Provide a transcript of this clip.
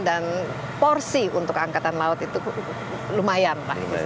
dan porsi untuk angkatan laut itu lumayan